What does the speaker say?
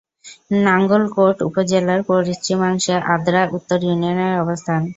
নাঙ্গলকোট উপজেলার পশ্চিমাংশে আদ্রা উত্তর ইউনিয়নের অবস্থান।